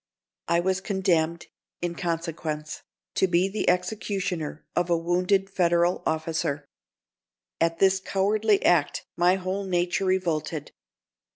I was condemned, in consequence, to be the executioner of a wounded Federal officer. At this cowardly act my whole nature revolted.